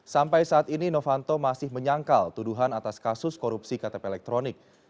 sampai saat ini novanto masih menyangkal tuduhan atas kasus korupsi ktp elektronik